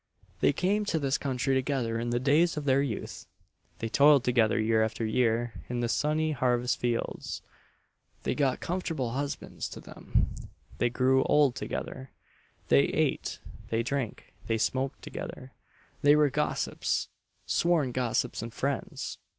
They came to this country together in the days of their youth; they toiled together year after year in the sunny harvest fields; they got comfortable husbands to them; they grew old together; they ate, they drank, they smoked together; they were gossips "sworn gossips and friends."